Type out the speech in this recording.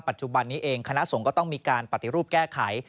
ปัจจุบันนี้เองคณะสงฆ์ก็ต้องมีการปฏิรูปแก้ไข